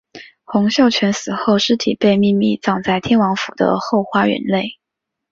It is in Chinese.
洪秀全死后尸体被秘密葬在天王府的后花园内。